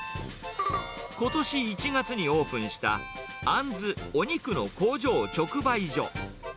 ことし１月にオープンした、あんずお肉の工場直売所。